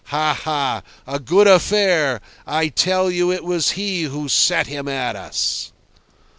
Ha! ha! A good affair! I tell you it was he who set him at us.